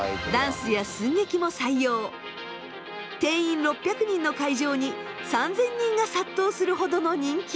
定員６００人の会場に３，０００人が殺到するほどの人気に。